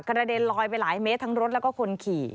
เด็นลอยไปหลายเมตรทั้งรถแล้วก็คนขี่